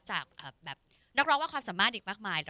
จากแบบนักร้องว่าความสามารถอีกมากมาย